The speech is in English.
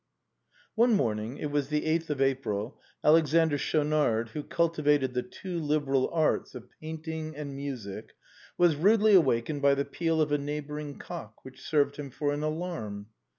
One morning — it was the eighth of April — x\lexander Schaunard, who cultivated the two liberal arts of painting and music, was rudely awakened by the peal of a neigh boring cock, which served him for an alarm.